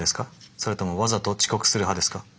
それともわざと遅刻する派ですか？